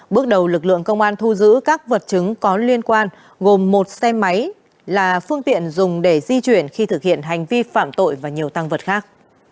bước đầu lực lượng công an thu giữ các vật chứng có liên quan gồm một xe máy là phương tiện dùng để di chuyển khi thực hiện hành vi phạm tội và nhiều tăng vật khác